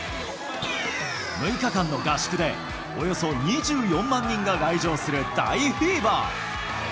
６日間の合宿でおよそ２４万人が来場する大フィーバー。